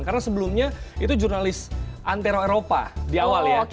karena sebelumnya itu jurnalis antara eropa di awal ya